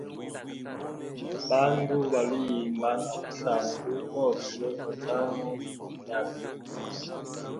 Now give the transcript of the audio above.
Bandu baliuyimba na musangu gose hozana gwa vilyenyambi.